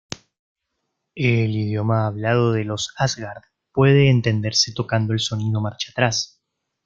El idioma hablado de los Asgard puede entenderse tocando el sonido marcha atrás.